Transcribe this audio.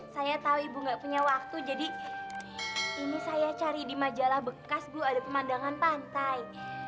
saya tahu ibu gak punya waktu jadi ini saya cari di majalah bekas bu ada pemandangan pantai